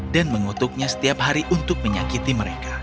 dan mengutuknya setiap hari untuk menyakiti mereka